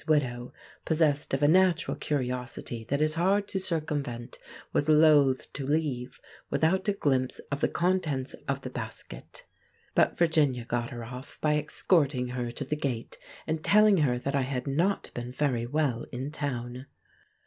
Widow, possessed of a natural curiosity that it is hard to circumvent, was loath to leave without a glimpse of the contents of the basket. But Virginia got her off by escorting her to the gate, and telling her that I had not been very well in town.